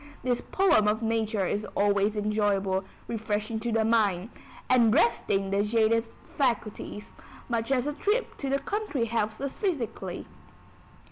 This poem of nature is always enjoyable, refreshing the mind, and resting the jaded faculties, much as a trip to the country helps us physically.